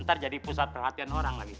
ntar jadi pusat perhatian orang lagi